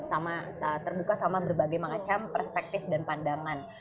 sama terbuka sama berbagai macam perspektif dan pandangan